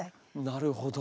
なるほど。